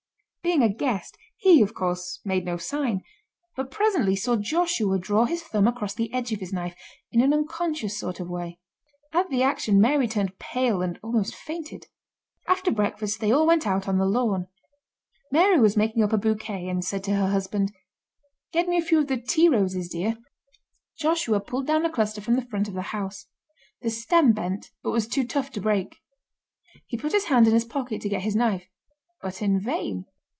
Being a guest, he, of course, made no sign; but presently saw Joshua draw his thumb across the edge of his knife in an unconscious sort of way. At the action Mary turned pale and almost fainted. After breakfast they all went out on the lawn. Mary was making up a bouquet, and said to her husband, "Get me a few of the tea roses, dear." Joshua pulled down a cluster from the front of the house. The stem bent, but was too tough to break. He put his hand in his pocket to get his knife; but in vain.